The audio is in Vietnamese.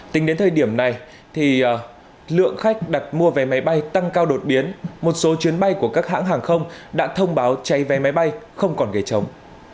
tính đến thời điểm này lượng khách đặt mua vé máy bay tăng cao đột biến một số chuyến bay của các hãng hàng không đã thông báo cháy vé máy bay không còn ghế chống